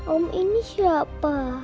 om ini siapa